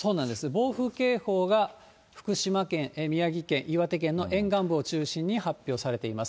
暴風警報が福島県、宮城県、岩手県の沿岸部を中心に発表されています。